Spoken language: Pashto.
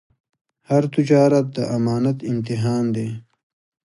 هر تجارت د امانت امتحان دی.